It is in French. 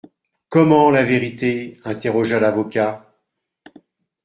Comment, la vérité ? interrogea l'avocat.